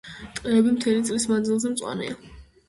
ტყეები მთელი წლის მანძილზე მწვანეა.